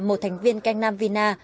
một thành viên keng nam vina